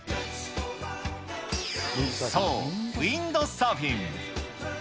そう、ウインドサーフィン。